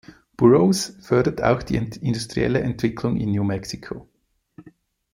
Burroughs förderte auch die industrielle Entwicklung in New Mexico.